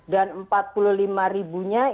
dan empat puluh lima ribunya itu